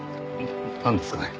なんですかね？